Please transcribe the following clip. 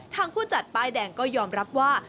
ผู้จัดป้ายแดงก็ยอมรับว่า